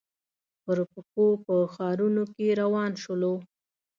پر پښو په ښارنو کې روان شولو.